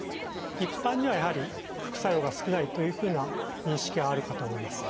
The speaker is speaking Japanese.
一般にはやはり副作用が少ないというふうな認識はあるかと思います。